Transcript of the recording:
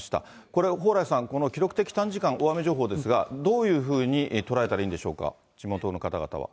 これ、蓬莱さん、この記録的短時間大雨情報ですが、どういうふうに捉えたらいいんでしょうか、地元の方々は。